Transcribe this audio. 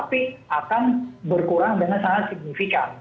tapi akan berkurang dengan sangat signifikan